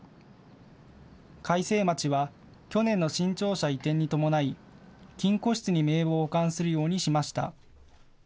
開成町は去年の新庁舎移転に伴い金庫室に名簿を保管するようにしました。